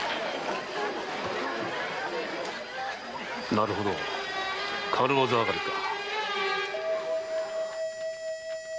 なるほど軽業あがりか。